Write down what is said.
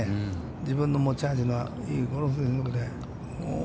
自分の持ち味のいいゴルフを。